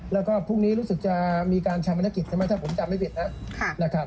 แล้วก็พรุ่งนี้รู้สึกจะมีการชามภัณฑกิจถ้ามั้งที่ผมจำได้เป็นนะ